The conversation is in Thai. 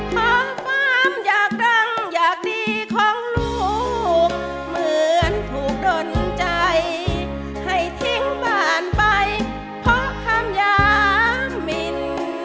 มองความอยากดังอยากดีของลูกเหมือนถูกดนใจให้ทิ้งบ้านไปเพราะคำยามมิน